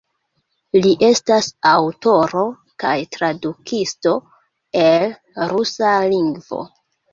Li estas aŭtoro kaj tradukisto el rusa lingvo.